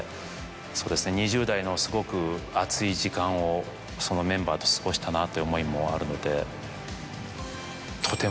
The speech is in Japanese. そうですね２０代のすごく熱い時間をそのメンバーと過ごしたなという思いもあるので。